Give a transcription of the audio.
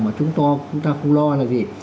mà chúng ta cũng lo là gì